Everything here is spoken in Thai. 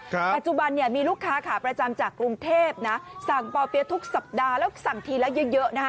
ปัจจุบันเนี่ยมีลูกค้าขาประจำจากกรุงเทพนะสั่งป่อเปี๊ยะทุกสัปดาห์แล้วสั่งทีละเยอะเยอะนะฮะ